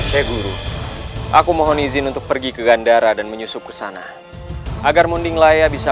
cekur aku mohon izin untuk pergi ke gandara dan menyusup kesana agar mending laya bisa